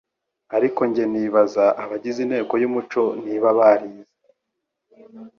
Ariko njye nibaza abagize inteko y'umuco niba barize